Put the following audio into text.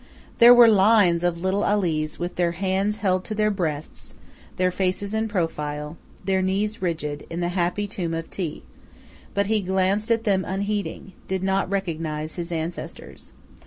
There were lines of little Alis with their hands held to their breasts, their faces in profile, their knees rigid, in the happy tomb of Thi; but he glanced at them unheeding, did not recognize his ancestors.